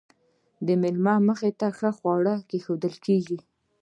د میلمه مخې ته ښه خواړه ایښودل کیږي.